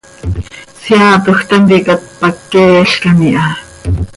Seaatoj tanticat pac queelcam iha.